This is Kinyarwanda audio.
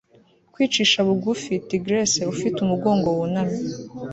Kwicisha bugufi tigress ufite umugongo wunamye